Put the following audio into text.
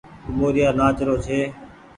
موريآ نآچ رو ڇي۔